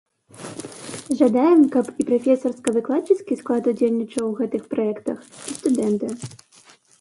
Жадаем, каб і прафесарска-выкладчыцкі склад удзельнічаў у гэтых праектах, і студэнты.